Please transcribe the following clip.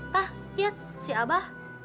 tah lihat si abah